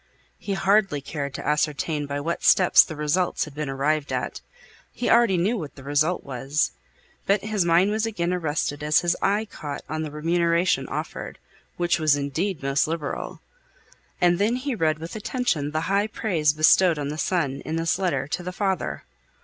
He hardly cared to ascertain by what steps the result had been arrived at he already knew what that result was; but his mind was again arrested as his eye caught on the remuneration offered, which was indeed most liberal; and then he read with attention the high praise bestowed on the son in this letter to the father.